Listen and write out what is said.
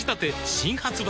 新発売